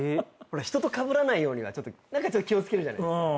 人とかぶらないようには何かちょっと気を付けるじゃないですか。